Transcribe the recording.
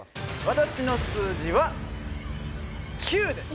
私の数字は９です